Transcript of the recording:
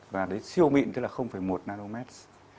và đến siêu mịn tức là một nanometres